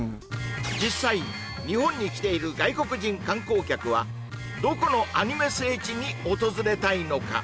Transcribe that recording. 実際日本に来ている外国人観光客はどこのアニメ聖地に訪れたいのか？